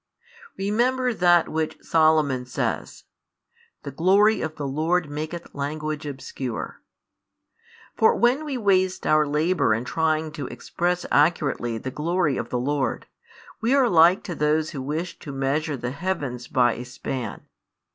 Remember that which Solomon says: The glory of the Lord maketh language obscure. For when we waste our labour in trying to express accurately the glory of the Lord, we are like to those who wish to measure the heavens by a span.